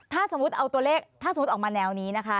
ถ้าสมมุติเอาตัวเลขถ้าสมมุติออกมาแนวนี้นะคะ